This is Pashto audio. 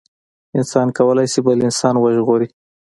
انسان کولي شي بل انسان وژغوري